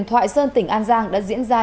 thoại sơn tỉnh an giang đã diễn ra